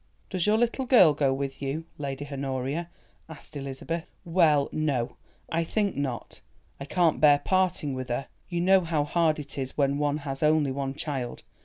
"Does your little girl go with you, Lady Honoria?" asked Elizabeth. "Well, no, I think not. I can't bear parting with her—you know how hard it is when one has only one child.